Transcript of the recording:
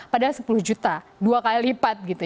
padahal sepuluh juta dua kali lipat gitu ya